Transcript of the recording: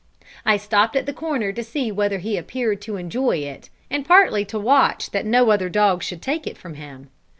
I stopped at the corner to see whether he appeared to enjoy it, and partly to watch that no other dog should take it from him.